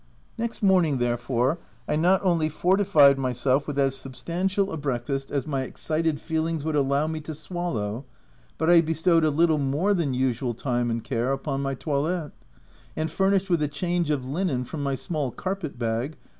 Next morning, therefore, I not only fortified myself with as substantial a 304 THE TENANT breakfast as my excited feelings would allow me to swallow, but I bestowed a little more than usual time and care upon my toilet; and, furnished with a change of linen from my small carpet bag.